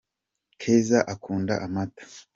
keza Akunda Amata.